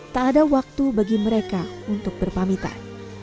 tak ada waktu bagi mereka untuk berpamitan